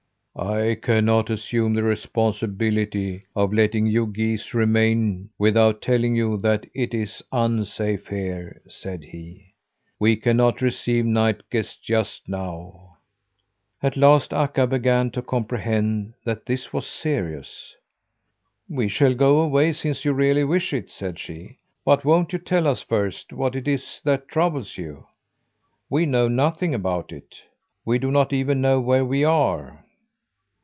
"I cannot assume the responsibility of letting you geese remain, without telling you that it is unsafe here," said he. "We cannot receive night guests just now." At last Akka began to comprehend that this was serious. "We shall go away, since you really wish it," said she. "But won't you tell us first, what it is that troubles you? We know nothing about it. We do not even know where we are."